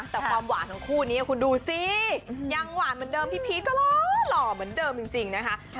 แต่ความหวานของคู่นี้คุณดูสิยังหวานเหมือนเดิมพี่พีชก็หล่อเหมือนเดิมจริงนะคะ